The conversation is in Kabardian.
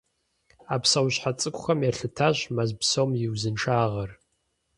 А псэущхьэ цӀыкӀухэм елъытащ мэз псом и узыншагъэр.